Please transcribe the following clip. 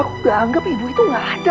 aku gak anggap ibu itu gak ada